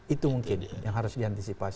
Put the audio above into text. itu mungkin yang harus diantisipasi